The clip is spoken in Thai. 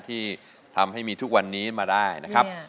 ที่ทำให้มีทุกวันนี้มาได้นะครับ